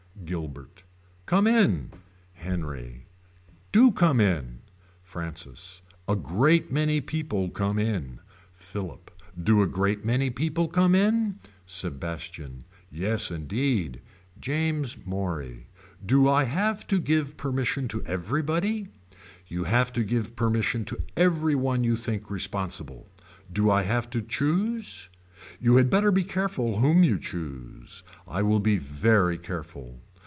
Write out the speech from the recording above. Gilbert. Come in. Henry. Do come in. Francis. A great many people come in. Philip. Do a great many people come in. Sebastian. Yes indeed. James Morey. Do I have to give permission to everybody. You have to give permission to every one you think responsible. Do I have to choose. You had better be careful whom you choose. I will be very careful.